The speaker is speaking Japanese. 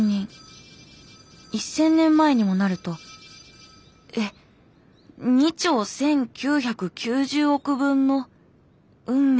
１，０００年前にもなるとえ２兆１，９９０億分の運命。